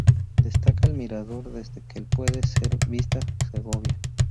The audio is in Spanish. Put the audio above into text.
Destaca el mirador desde el que puede ser vista Segovia.